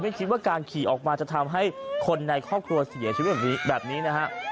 คิดว่าการขี่ออกมาจะทำให้คนในครอบครัวเสียชีวิตแบบนี้แบบนี้นะฮะ